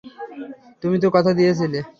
তুমি তো কথা দিয়েছিলে।